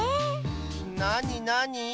なになに？